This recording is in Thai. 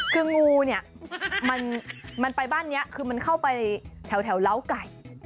คืองูเนี่ยมันไปบ้านนี้คือมันเข้าไปแถวเล้าไก่